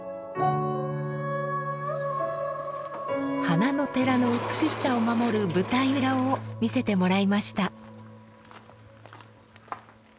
花の寺の美しさを守る舞台裏を見せてもらいました。